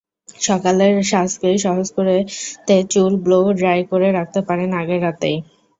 সকালের সাজকে সহজ করতে চুল ব্লো ড্রাই করে রাখতে পারেন আগের রাতেই।